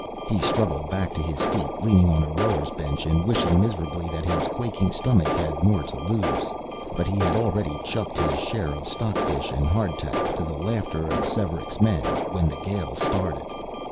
He struggled back to his feet, leaning on a rower's bench and wishing miserably that his quaking stomach had more to lose. But he had already chucked his share of stockfish and hardtack, to the laughter of Svearek's men, when the gale started.